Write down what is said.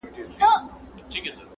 یو په یو به نیسي ګرېوانونه د قاتل قصاب،